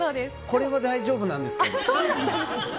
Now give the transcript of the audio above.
これは大丈夫なんですけど。